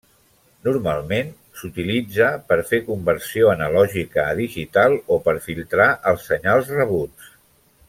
Normalment s'utilitza per fer conversió analògica a digital o per filtrar els senyals rebuts.